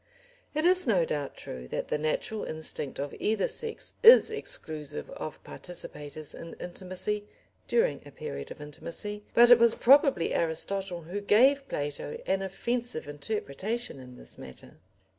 It is no doubt true that the natural instinct of either sex is exclusive of participators in intimacy during a period of intimacy, but it was probably Aristotle who gave Plato an offensive interpretation in this matter.